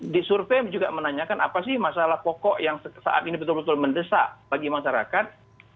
di survei juga menanyakan apa sih masalah pokok yang saat ini betul betul mendesak bagi masyarakat